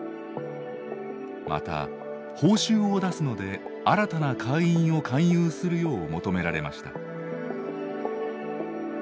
また報酬を出すので新たな会員を勧誘するよう求められました。